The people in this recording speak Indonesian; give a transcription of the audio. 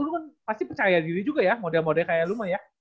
lu kan pasti percaya diri juga ya model modelnya kayak lumayan ya